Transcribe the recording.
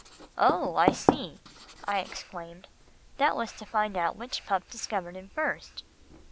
"Oh! I see," I exclaimed, "that was to find out which pup discovered him first."